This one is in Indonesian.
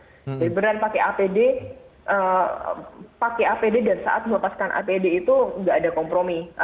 jadi beneran pakai apd pakai apd dan saat lepaskan apd itu nggak ada kompromi